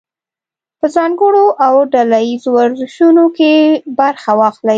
په ځانګړو او ډله ییزو ورزشونو کې برخه واخلئ.